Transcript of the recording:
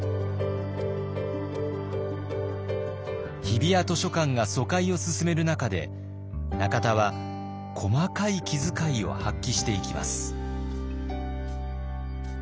日比谷図書館が疎開を進める中で中田は細かい気づかいを発揮していきます。